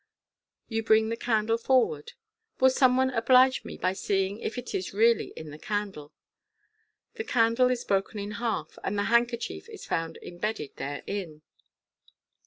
(You bring the candle forward.) " Will some one oblige me by seeing if it is really in the candle." The candle is broken in half, and the handkerchief is found embedded therein.